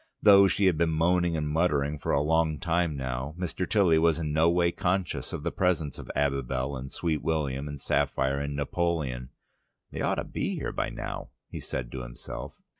Though she had been moaning and muttering a long time now, Mr. Tilly was in no way conscious of the presence of Abibel and Sweet William and Sapphire and Napoleon: "They ought to be here by now," he said to himself.